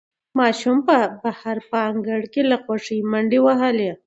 ماشوم بهر په انګړ کې له خوښۍ منډې وهلې